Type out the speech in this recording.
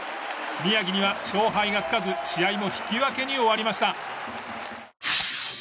宮城には勝敗がつかず試合も引き分けに終わりました。